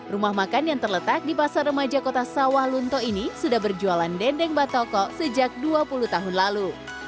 rumah makan yang terletak di pasar remaja kota sawah lunto ini sudah berjualan dendeng batoko sejak dua puluh tahun lalu